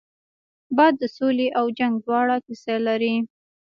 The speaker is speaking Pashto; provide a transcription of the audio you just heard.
باد د سولې او جنګ دواړو کیسه لري